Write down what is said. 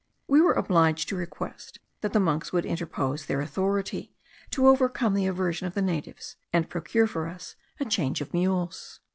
We were obliged to request that the monks would interpose their authority, to overcome the aversion of the natives, and procure for us a change of mules.